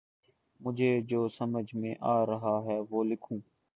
مجھے جو سمجھ میں آرہا ہے وہ لکھوں